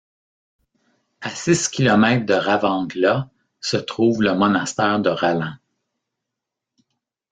À six kilomètres de Ravangla se trouve le monastère de Ralang.